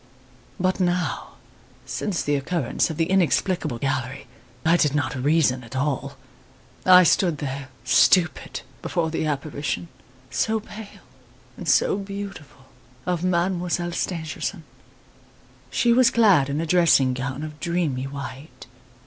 "But now, since the occurrence of the inexplicable gallery, I did not reason at all. I stood there, stupid, before the apparition so pale and so beautiful of Mademoiselle Stangerson. She was clad in a dressing gown of dreamy white.